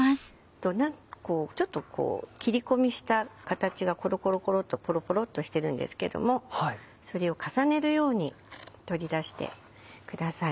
ちょっとこう切り込みした形がコロコロコロっとポロポロっとしてるんですけどもそれを重ねるように取り出してください。